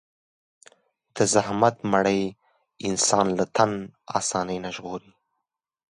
د زحمت مړۍ انسان له تن آساني نه ژغوري.